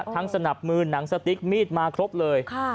สนับมือหนังสติ๊กมีดมาครบเลย